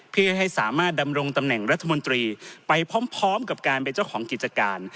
เพื่อให้สามารถดำรงตำแหน่งรัฐมนตรีไปพร้อมกับการเป็นเจ้าของกิจการ